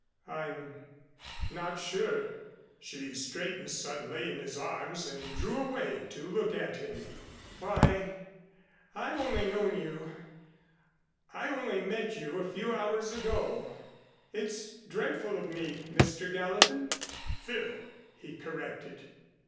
"I'm not sure." She straightened suddenly in his arms and drew away to look at him. "Why I've only known you I only met you a few hours ago. It's dreadful of me Mr. Gallatin." "Phil," he corrected.